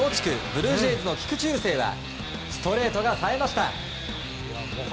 ブルージェイズの菊池雄星はストレートがさえました！